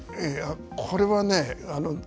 これはね